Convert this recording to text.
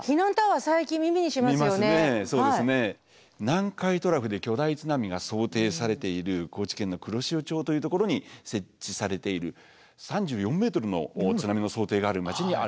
南海トラフで巨大津波が想定されている高知県の黒潮町というところに設置されている３４ｍの津波の想定がある町にある避難タワーなんですね。